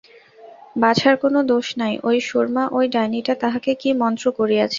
বাছার কোন দোষ নাই, ঐ সুরমা, ঐ ডাইনীটা তাহাকে কি মন্ত্র করিয়াছে।